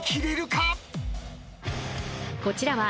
［こちらは］